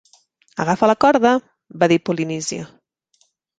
"Agafa la corda!", va dir Polynesia.